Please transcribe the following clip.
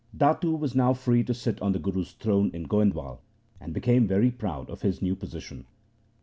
Datu was now free to sit on the Guru's throne in Goindwal, and became very proud of his new position.